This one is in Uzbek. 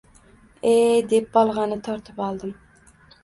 E, deb bolg‘ani tortib oldim.